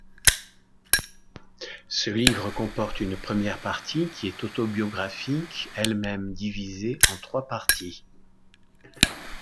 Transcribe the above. Ce livre comporte une première partie qui est autobiographique, elle-même divisée en trois parties.